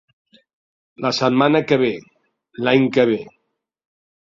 La setmana que ve, l'any que ve.